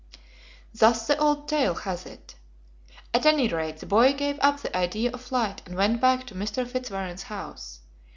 Thus the old tale hath it. At any rate, the boy gave up the idea of flight and went back to Mr. Fitzwarren's house.